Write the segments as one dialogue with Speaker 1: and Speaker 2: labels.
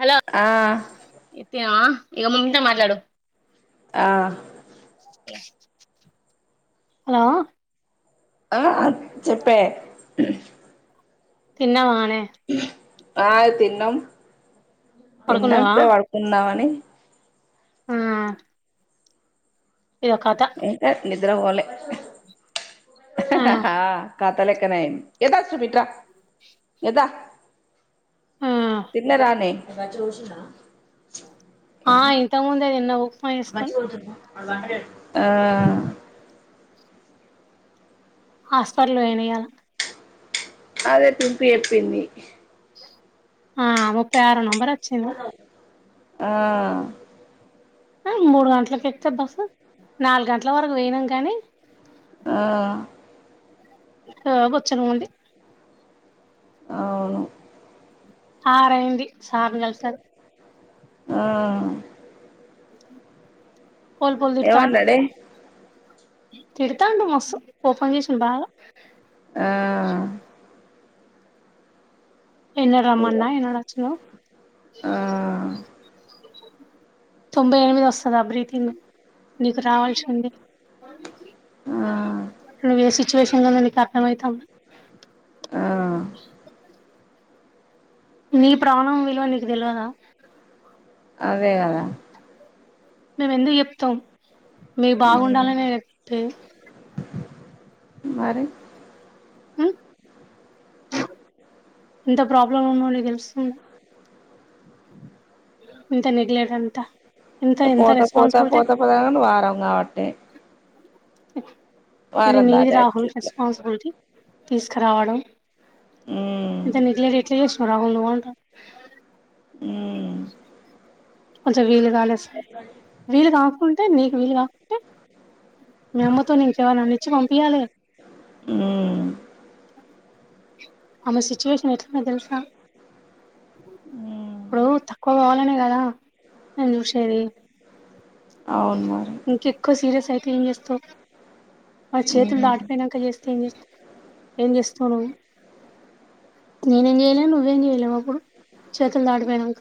Speaker 1: Hello
Speaker 2: ఆ
Speaker 1: ఎత్తినవా ఇగ మమ్మీ తో మాట్లాడు
Speaker 2: ఆ
Speaker 1: హలో
Speaker 2: ఆ చెప్పే
Speaker 1: తిన్నవా నే
Speaker 2: ఆ తిన్నం తిన్నా
Speaker 1: పడుకున్నావా
Speaker 2: ఇప్పుడే పడుకున్నామని
Speaker 1: ఆ ఇదొ కథ
Speaker 2: ఇాల
Speaker 1: ఆ
Speaker 2: కాతాలక్కన్నా ఎదా సుమిత్ర ఎదా తిన్న రానే
Speaker 1: ఆ ఇంత ముందే నిన్న ఉప్మ చేస్కోన్
Speaker 2: అలాంటలేరు ఆ
Speaker 1: హాస్పిటల్ పోయిన ఇయ్యాల
Speaker 2: అదే పింపి చెప్పింది
Speaker 1: ఆ ముప్పై ఆరున్నం మరి వచ్చింది
Speaker 2: ఆ
Speaker 1: మూడు గంటలకి ఎక్తద్ బస్సు నాలుగు గంటల వరకు పోయినాం కానీ
Speaker 2: ఆ
Speaker 1: ఆ గుచ్చునమండీ
Speaker 2: అవును
Speaker 1: ఆరైంది సార్ కల్సరు
Speaker 2: ఆ
Speaker 1: ఉ పోల్ పోల్ తిడ్తన్నాడు
Speaker 2: ఏమన్నాడే
Speaker 1: తిడుతాండ్ మస్తు ఓపన్ చేసిన్ బాగా
Speaker 2: ఆ
Speaker 1: ఎన్న రమన్నా ఎన్నడు వచ్చినావ్
Speaker 2: ఆ
Speaker 1: తొంభై ఎనిమిది వస్తదా బ్రీతింగ్ నీకు రావాల్సి ఉంది
Speaker 2: ఆ
Speaker 1: అనేసి చూసిననని అర్థమైతంది
Speaker 2: ఆ
Speaker 1: నీ ప్రాణం విలువ నీకు తెలవదా
Speaker 2: అదే కదా
Speaker 1: మేము ఎందుకు చెప్తాం మీ బాగుండాలనే చెప్తే
Speaker 2: మరి
Speaker 1: ఎంత ప్రబ్లాంగా ఉందో నీకు తెలుస్సున్దా ఎంత నెగ్లెట్ అంటా
Speaker 2: పోతా పోతా పోతా పోతా కా వారం కాబట్టే
Speaker 1: [inaudible] ఇది నీది
Speaker 2: దాటే
Speaker 1: రాహుల్
Speaker 2: ఇట్లా
Speaker 1: రెస్పాన్సిబిలిటీ తీసుకురావడం
Speaker 2: ఉమ్
Speaker 1: అంత నెగ్లెట్ ఎట్ల చేస్ రావుల్లు గొంటా
Speaker 2: ఉమ్
Speaker 1: కొంచెం వీల్ [inaudible] నీకు నీ గుంటే మీ అమ్మ తో నేన్ [inaudible] ఇచ్చి పంపియాలేగా
Speaker 2: ఉమ్
Speaker 1: ఆమే సిట్యువేషన్ ఎట్ తెలుసుగా
Speaker 2: ఉమ్
Speaker 1: ఇప్పుడు తక్కువ పోవాలనే గదా ఉ సేది
Speaker 2: అవును మరి
Speaker 1: ఇంక ఎక్కువ సిరియస్ అయితే ఏం చేస్తావ్ మన చేతులు
Speaker 2: ఉమ్
Speaker 1: దాటిపోయినాక చేస్తే ఏం చేస్త ఏం చేస్తావ్ నువ్ నేనేంచేయలేన్ నువ్వేం జేయలేవు అప్పుడు చెతులు దాటిపోయినంక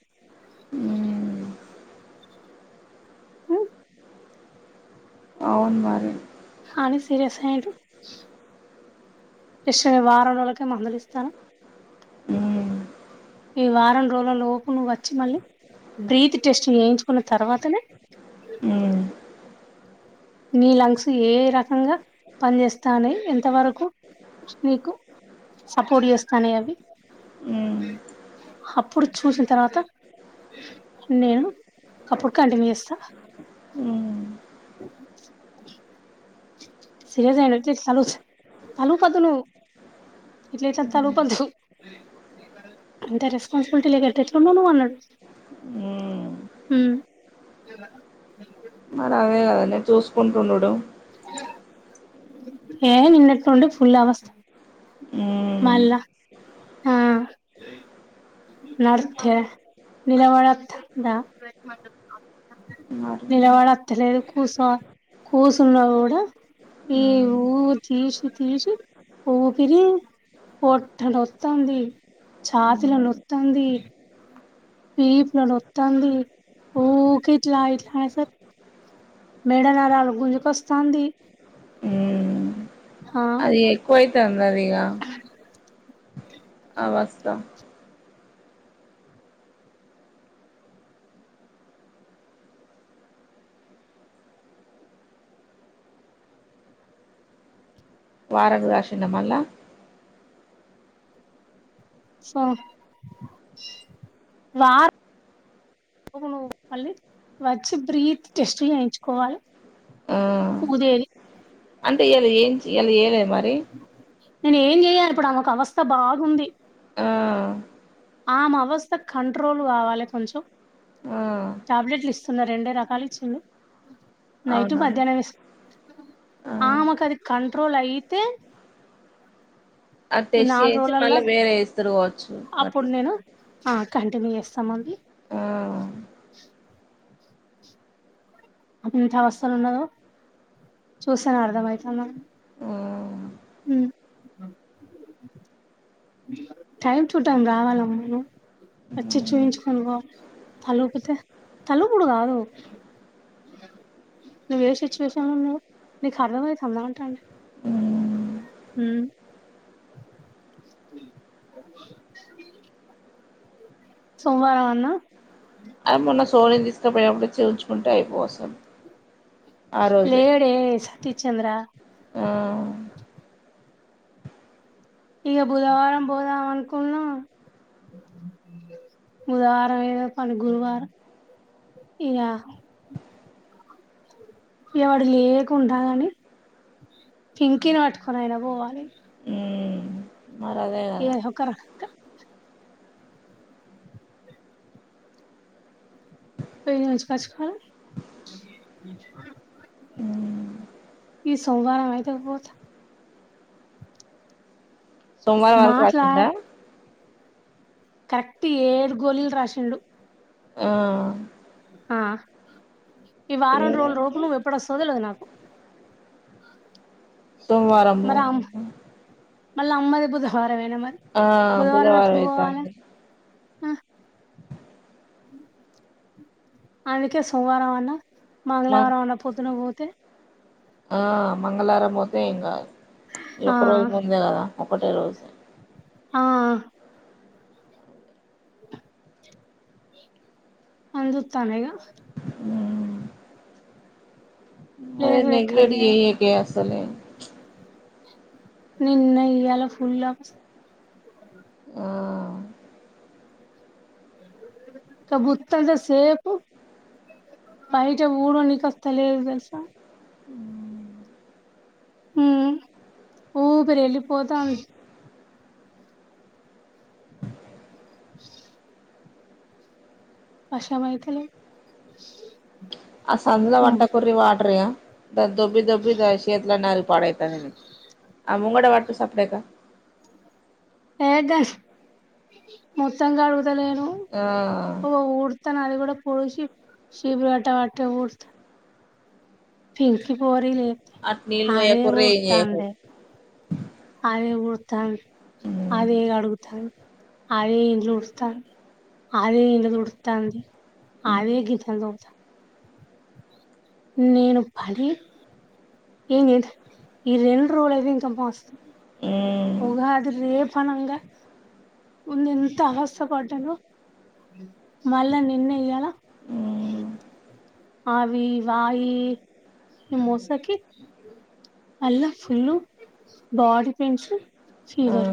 Speaker 2: ఉమ్
Speaker 1: ఉమ్
Speaker 2: అవును మరి
Speaker 1: కానీ సీరియస్ అయింటి డిశ్చర్ వారం రోజులకే మందులు ఇస్తార
Speaker 2: ఉమ్
Speaker 1: ఈ వారం రోజుల లోపు నువ్ వచ్చి మళ్ళీ బ్రీత్ టెస్ట్ చేయించుకున్న తర్వాతనే
Speaker 2: ఉమ్
Speaker 1: నీ లంగ్స్ ఏ రకంగా పనిచేస్తానే ఎంత వరకు నీకు సపోర్ట్ చేస్తానయి అవి
Speaker 2: ఉమ్
Speaker 1: హ అప్పుడు చూసిన తర్వాత నేను అప్పుడు కంటిన్యూ చేస్తా
Speaker 2: ఉమ్ ఉమ్
Speaker 1: సీరియస్ అయినట్లే తలూపద్దు నువ్వు ఎట్లయితే తలూపద్దు అంత రెస్పాన్సిబిలిటీ లేదు ఎట్లుఉన్నావ్ నువ్వు అన్నాడు
Speaker 2: ఉమ్ మరి అదే కదండి చూసుకుంటుండుడు
Speaker 1: ఏ నిన్నట్నుండి ఫుల్ అవస్థు
Speaker 2: ఉమ్
Speaker 1: మళ్లా ఆ నడిత్తే నిలవడి వత్తాందా
Speaker 2: మరి
Speaker 1: నిలవడత్తలేదు కూచొ కూసున్నా కూడా ఈ
Speaker 2: ఉమ్
Speaker 1: ఊ తీసి తీసి ఊపిరి పొట్ట నొత్తంది ఛాతి న
Speaker 2: ఉమ్
Speaker 1: తంది పీ పలోత్తంది ఊక ఇట్లా ఇట్లా సార్ మేడ నరాలు గుంజుకొస్తాంది.
Speaker 2: ఉమ్
Speaker 1: ఆ
Speaker 2: అది ఎక్కువైతాంది అన్నది ఇగ ఆ వస్తా వారంగ రాసిండా మళ్ళ
Speaker 1: సో వారం మ వచ్చి బ్రీత్ టెస్ట్ చేయించుకోవాలి
Speaker 2: ఆ
Speaker 1: దేది
Speaker 2: అంటే ఇయలా ఏం చేయ్ ఏదై మరి
Speaker 1: నేను ఏం చెయ్యాలి ఇప్పుడు ఆమెకు అవస్థ బాగుంది.
Speaker 2: ఆ
Speaker 1: ఆమె అవస్థ కంట్రోల్ కావాల కొంచెం
Speaker 2: ఆ
Speaker 1: టాబ్లెట్లు ఇస్తున్నా రెండే రకాలు ఇచ్చిండు. నైటు
Speaker 2: అవునవును
Speaker 1: మధ్యానం ఇస్
Speaker 2: ఆ
Speaker 1: ఆమెకు అది కంట్రోల్ అయితే
Speaker 2: అ
Speaker 1: ఈ
Speaker 2: టెస్ట్
Speaker 1: నాలుగు
Speaker 2: చేేసి
Speaker 1: రోజులల్లా
Speaker 2: మళ్ళీ వేరే స్ త రో జ్
Speaker 1: అప్పుడు నేను ఆ కంటిన్యూ చేస్తాము అండి.
Speaker 2: ఆ
Speaker 1: అది ఎంత అవస్థలు ఉన్నదో చూసాను అర్థ అయితంది
Speaker 2: ఆ
Speaker 1: ఉ టైమ్ టు టైం రావాలమ్ములు. వచ్చి
Speaker 2: మ్
Speaker 1: చూపించుకొని పో తలుపితే తలుపుడు కాదు. నువ్వు ఏ సిచ్యువేషన్లో ఉన్నవ్ నీకు అర్థమైతుంద అంటండా.
Speaker 2: మ్
Speaker 1: ఉమ్ సోవారం అన్నా
Speaker 2: అది మొన్న సోన్ని తీసుకపోనప్పుడు చేంచుకుంటే అయిపోయి వస్తాం.
Speaker 1: లేడే తి చంద్ర
Speaker 2: ఆ
Speaker 1: ఇక బుధవారం పోదాం అనుకున్నా బుధవారం ఏదో పని గురువారం ఇగ ఎవడు లేకుండా కాని పింకిని పట్టుకొని అయినా పోవాలి.
Speaker 2: మ్ మరి అదే
Speaker 1: ఏ
Speaker 2: కదా
Speaker 1: ఒకరక రోజకాచ కా
Speaker 2: మ్
Speaker 1: ఈ సోమవారం అయితే పోతా
Speaker 2: సోమవారం వరకు
Speaker 1: మాట్లా
Speaker 2: వసుందా.
Speaker 1: కరెక్ట్ ఏడు గోలీలు రాశాడు
Speaker 2: ఆ
Speaker 1: ఆ ఈ వారం
Speaker 2: ఇరవై
Speaker 1: రోజుల లోపు
Speaker 2: అంటే
Speaker 1: నువ్వు ఎప్పుడువస్తదో తెలవదు నాకు
Speaker 2: మొత్తం వారము
Speaker 1: మళ్ళ అమ్మత్త బుధహార
Speaker 2: ఆ బుధవారం అయితాంది.
Speaker 1: ఆ అమెకే సోమవారం అన్నవ్
Speaker 2: మ
Speaker 1: మంగళవారం అన్న పొద్దున పోతే
Speaker 2: ఆ అమ్మ మంగళారం పోతే ఇంగా ఇ
Speaker 1: ఆ
Speaker 2: ఒక్క రోజు ముందే గాదా ఒకటే రోజు
Speaker 1: ఆ అనీ జుత్తందిగా
Speaker 2: అదే
Speaker 1: లేదు
Speaker 2: నెగలేట్
Speaker 1: ఎక్కడిదే
Speaker 2: చేయకే అసలే
Speaker 1: నిన్నా ఇయలా ఫుల్ ఆఫీస్
Speaker 2: ఆ
Speaker 1: ఇక బుత్తంత సేపు బయట ఊడవనికి ఆ. దెలుసా హ్ ఊపిరి వెళ్ళిపోతాంది. వాషామైత లేద్
Speaker 2: ఆ సందుల వట్ట కుర్ర్రి వాటారే. దాని దొబ్బి దోబ్బి దా చేతులాన్ని అరిగి పడయి తన్నయి ఆ ముంగడ వాట్టు సాప్పు డేక
Speaker 1: ఏ దాస్ మొత్తం కాడుతు గుత లేను
Speaker 2: ఆ
Speaker 1: ఇగ ఉడ్తన్నా అది గూడ పోడుసి సిపిరి కట్ట వాట్టే ఊడుస్త ఫింకి పోరీలే
Speaker 2: అటు నీళ్ళు
Speaker 1: అదే
Speaker 2: పోయకుర్రి ఏం
Speaker 1: ఊడుతందే
Speaker 2: చేయకుర్రి
Speaker 1: అదే ఊడ్ తంది. అదే కాడుగుతంది. అదే ఇండ్లు ఊడుసాంది. అదే ఇళ్ళు తుడుతాంది. ఆదే గింతంత [unintelligible] నేను పడి ఏం చెత్తన్న. ఈ రెండు రోజులు అయితే ఇంకా మస్తుంది.
Speaker 2: ఉమ్
Speaker 1: ఉగాది రేపూ ఆనంగా ముందు ఎంత అవస్థ పడ్డానో మళ్ళా నిన్న ఈయ్యాల
Speaker 2: ఉమ్
Speaker 1: అవి వాయి మోసకి మళ్ళా ఫుల్లు బాడీ పెయిన్స్
Speaker 2: ఆ
Speaker 1: ఫీవర్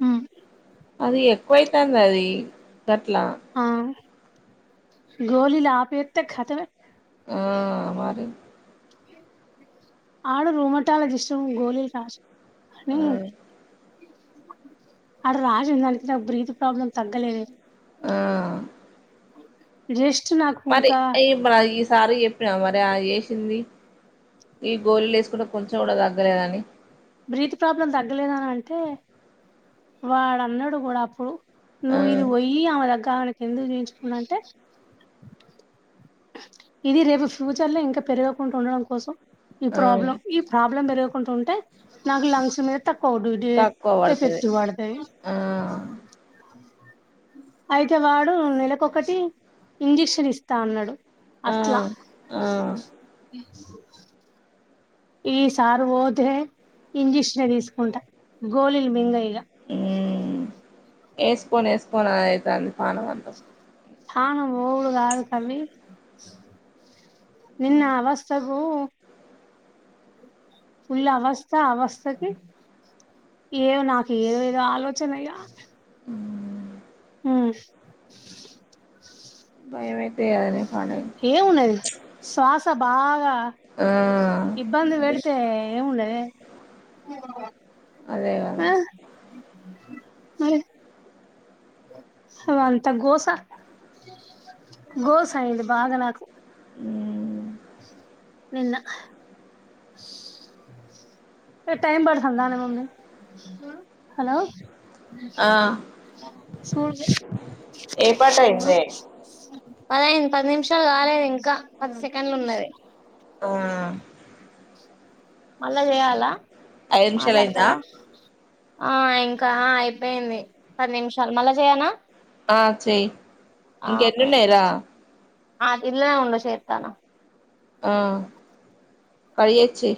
Speaker 1: హ్
Speaker 2: అది ఎక్కువైతంది. అది గట్లా
Speaker 1: ఆ గోలీలు ఆపేత్తె కతమే
Speaker 2: ఆ మరి
Speaker 1: ఆడ రూమటాలజస్ట్ గోలీలు రాసిండు. అనీ
Speaker 2: ఆ
Speaker 1: అడ రాసి దానికి నాకు బ్రీత్ ప్రాబ్లమ్ తగ్గలేదే.
Speaker 2: ఆ
Speaker 1: జస్ట్ నాకు
Speaker 2: మరి
Speaker 1: ఇంకా
Speaker 2: ఏం రా ఇస్ సార్ చెప్పినా మరి అ ఏసింది ఈ గోళీలు వేసుకుంటే కొంచెం కూడా తగ్గలేద అని
Speaker 1: బ్రీత్ ప్రాబ్లం తగ్గలేదని అంటే వాడు అన్నాడు కూడా అప్పుడు
Speaker 2: ఆ
Speaker 1: నువు ఇది వోయి అవదగ్ కి ఎందుకు చూయించుకున్నా అంటే ఇది రేపు ఫ్యూచర్ లో ఇంకా పెరగకుండా ఉండడం కోసం ఈ
Speaker 2: ఆ
Speaker 1: ప్రాబ్లం ఈ ప్రాబ్లం పెరుగుకుంటు ఉంటే లాంగ్ స [unintelligible] ఓ డ్యూటీ
Speaker 2: తక్కువ పడుతది
Speaker 1: ఎస్ఎస్సి వాడుత
Speaker 2: ఆ
Speaker 1: అయితే వాడు నెలకుఒకటి ఇంజక్షన్ ఇస్తా అన్నాడు
Speaker 2: ఆ
Speaker 1: అట్లా
Speaker 2: ఆ
Speaker 1: ఈ సారు పోతే ఇంజక్షన్ తీసుకుంటా గోలీలు మింగ ఇగ
Speaker 2: ఏస్కో ఏసుకోలతేంది [unintelligible] పానం అంత
Speaker 1: ఆహా మూడు కాదు కలి [unintelligible] నిన్న అవస్థకు ఫుల్ అవస్థ అవస్థకి ఏదో నాకి ఏదో ఏదో ఆలోచనయ్యా
Speaker 2: హ్మ్.
Speaker 1: హు
Speaker 2: ఏమైతే కాలే [unintelligible]
Speaker 1: ఏమున్నది శ్వాస బాగా
Speaker 2: ఆ
Speaker 1: ఇబ్బంది
Speaker 2: మరి
Speaker 1: పెడితే ఏముండది
Speaker 2: అదే కదా
Speaker 1: ఆ [unintelligible] వంత గోస గోస ఇది బాగా నాకు
Speaker 2: మ్మ్
Speaker 1: ని టైం పడుతాందా మమ్ హలో
Speaker 2: ఆ ఏ పాట
Speaker 1: టైం
Speaker 2: అయిందే
Speaker 1: పది అయింది పది నిమిషాలు కాలేదు ఇంకా పది సెకండ్లు ఉన్నది
Speaker 2: ఆ
Speaker 1: మళ్ళా చేయాలా
Speaker 2: ఐదు నిమిషాలు అయిందా
Speaker 1: మాట్లాడతావా ఆ ఇంకా అయిపోయింది పది నిమిషాలు మళ్ళా చేయనా
Speaker 2: ఆ చెయ్
Speaker 1: ఆ
Speaker 2: ఇంకా
Speaker 1: ఒక్క
Speaker 2: ఎన్ని ఉన్నాయి
Speaker 1: నిమిషం
Speaker 2: రా
Speaker 1: ఆ ఇలానే ఉండు చేస్తాను
Speaker 2: ఆ కట్ చేసి చెయ్